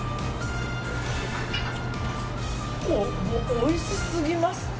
おいしすぎます！